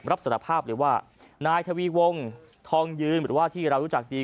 รับสารภาพเลยว่านายทวีวงทองยืนหรือว่าที่เรารู้จักดี